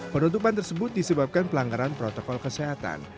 penutupan tersebut disebabkan pelanggaran protokol kesehatan